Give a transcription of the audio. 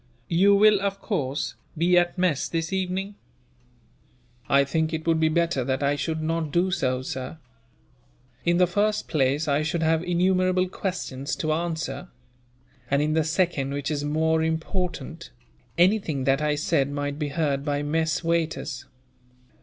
"You will, of course, be at mess this evening?" "I think it would be better that I should not do so, sir. In the first place, I should have innumerable questions to answer; and in the second, which is more important, anything that I said might be heard by mess waiters.